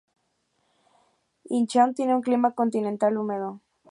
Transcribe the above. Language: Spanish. Incheon tiene un clima continental húmedo.